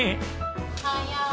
おはよう。